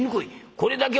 これだけは」。